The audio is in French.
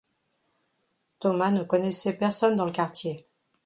Thomas ne connaissait personne dans le quartier.